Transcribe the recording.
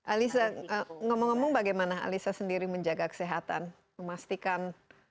alisa ngomong ngomong bagaimana alisa sendiri menjaga kesehatan memastikan